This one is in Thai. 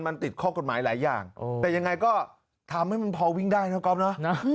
มันติดข้อกฎหมายหลายอย่างแต่ยังไงก็ทำให้มันพอวิ่งได้นะก๊อฟเนอะ